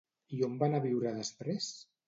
I on va anar a viure després?